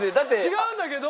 違うんだけど。